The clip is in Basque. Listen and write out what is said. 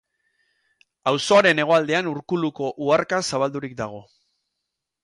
Auzoaren hegoaldean Urkuluko uharka zabaldurik dago.